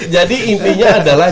jadi intinya adalah